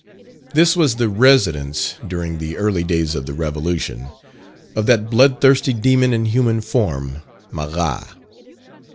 This was the residence, during the early days of the revolution, of that bloodthirsty demon in human form, Marat.